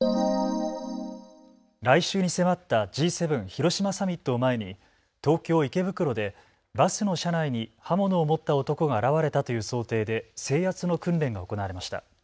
来週に迫ったＧ７広島サミットを前に東京池袋でバスの車内に刃物を持った男が現れたという想定で制圧の訓練が行われました。